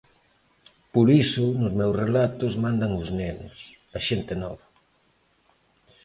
Por iso nos meus relatos mandan os nenos, a xente nova.